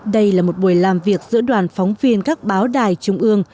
đây là một buổi làm việc giữa đoàn phóng viên các báo đài trung ương